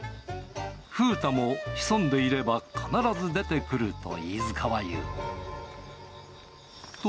ふうたも潜んでいれば必ず出てくると飯塚は言う。